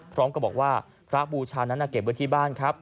พร้อมกับบอกว่าพระบูชานั้นเก็บไว้ที่บ้านครับ